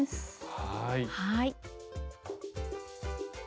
はい。